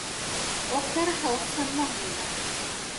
وَاقْتَرَحَ وَصْفًا مُعْجِزًا